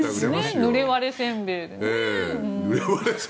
ぬれ割れせんべいで。